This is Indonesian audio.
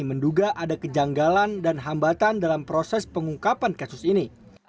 menduga ada kejanggalan dan hambatan dalam proses pengungkapan kasus ini